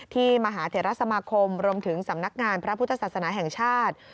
มหาเทรสมาคมรวมถึงสำนักงานพระพุทธศาสนาแห่งชาติ